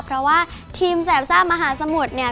เพราะว่าทีมแสบซ่ามหาสมุทรเนี่ย